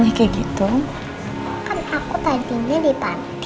aku mau tanya dong